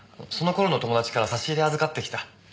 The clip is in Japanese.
その頃の友達から差し入れ預かってきた。